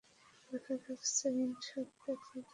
দেখা যাক, second show তে কতজন আসে।